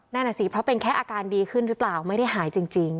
นั่นน่ะสิเพราะเป็นแค่อาการดีขึ้นหรือเปล่าไม่ได้หายจริง